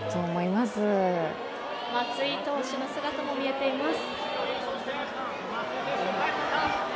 松井投手の姿も見えています。